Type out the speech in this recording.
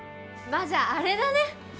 まあじゃああれだね。